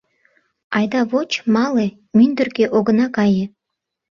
— Айда воч, мале, мӱндыркӧ огына кае.